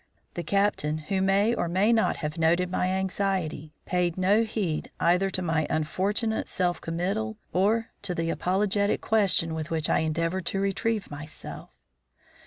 The Captain, who may or may not have noted my anxiety, paid no heed either to my unfortunate self committal or to the apologetic question with which I endeavoured to retrieve myself.